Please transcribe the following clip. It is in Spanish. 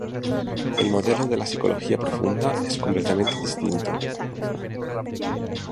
El modelo de la psicología profunda es completamente distinto.